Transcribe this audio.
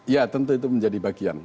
ya tentu itu menjadi bagian